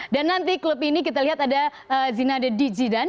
dan nanti klub ini kita lihat ada zina de dijidan